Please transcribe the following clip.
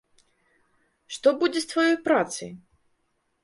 Што будзе з тваёй працай?